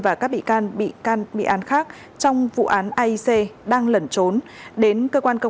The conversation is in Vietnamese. và các bị can bị can bị an khác trong vụ án aic đang lẩn trốn đến cơ quan công